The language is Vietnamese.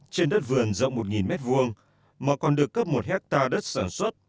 trên đất vườn rộng một m hai mà còn được cấp một hectare đất sản xuất